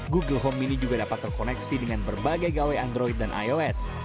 google home ini juga dapat terkoneksi dengan berbagai gawai android dan ios